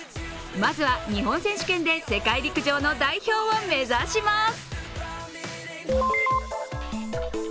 まずは日本選手権で世界陸上の代表を目指します。